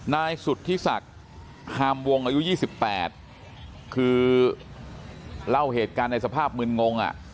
นายสุธิศักดิ์ฮามวงอายุ๒๘คือเล่าเหตุการณ์ในสภาพมืนงงอ่ะ